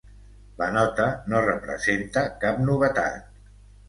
La nota no representa cap novetat.